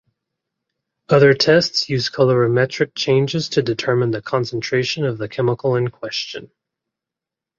Other tests use colorimetric changes to determine the concentration of the chemical in question.